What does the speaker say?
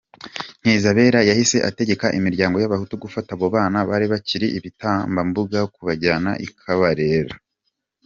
Nkezabera yahise ategeka imiryango y’Abahutu gufata abo bana bari bakiri ibitambambuga, kubajyana ikabarera.